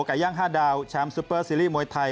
ไก่ย่าง๕ดาวแชมป์ซุปเปอร์ซีรีส์มวยไทย